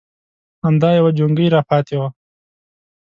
_همدا يو جونګۍ راپاتې و.